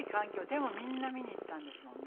でもみんな見に行ったんですもんね。